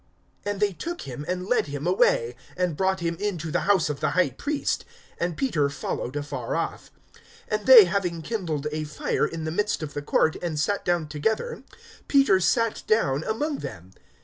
(54)And they took him, and led him away, and brought him into the house of the high priest. And Peter followed afar off. (55)And they having kindled a fire in the midst of the court, and sat down together, Peter sat down among them.